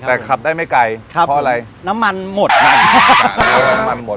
แต่ขับได้ไม่ไกลพออะไรนะน้ำมันหมด